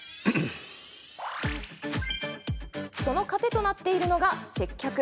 その糧となっているのが、接客。